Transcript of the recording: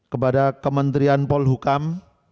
kepada kementerian polhukam